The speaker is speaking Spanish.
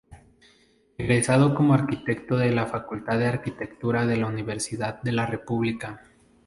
Egresado como arquitecto de la Facultad de Arquitectura de la Universidad de la República.